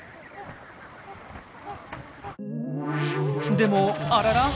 でもあらら。